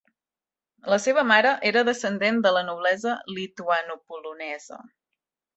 La seva mare era descendent de la noblesa lituanopolonesa.